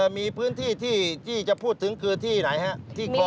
มีพื้นที่ที่จะพูดถึงคือที่ไหนครับ